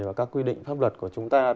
và các quy định pháp luật của chúng ta